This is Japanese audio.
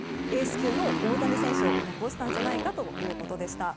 級の大谷選手を残したんじゃないかということでした。